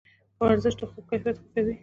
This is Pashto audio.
ورزش د خوب کیفیت ښه کوي.